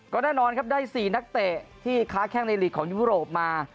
ก็แน่นอนครับได้๔นักเตะที่ค้าแข้งในลีกของยุโรปมา